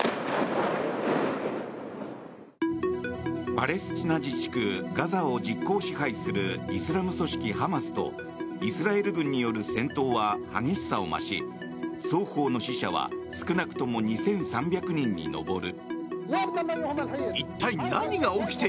パレスチナ自治区ガザを実効支配するイスラム組織ハマスとイスラエル軍による戦闘は激しさを増し双方の死者は少なくとも２３００人に上る。